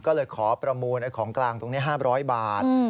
ก็เลยขอประมูลของกลางตรงนี้๕๐๐บาท